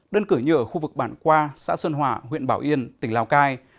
đơn cửa như ở khu vực bản qua xã sơn hòa huyện bảo yên tỉnh lào cai